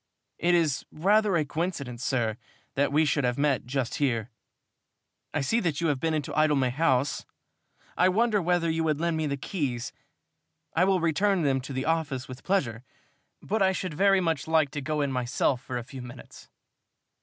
"It is rather a coincidence, sir, that we should have met just here. I see that you have been into Idlemay House. I wonder whether you would lend me the keys? I will return them to the office, with pleasure, but I should very much like to go in myself for a few minutes."